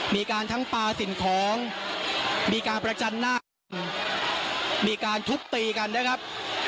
มีการทั้งปลาสิ่งของมีการประจันหน้ามีการทุบตีกันนะครับ